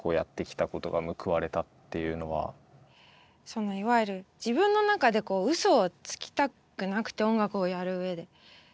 そのいわゆる自分の中でこううそをつきたくなくて音楽をやるうえで。